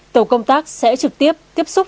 tổ công tác sẽ trực tiếp tiếp xúc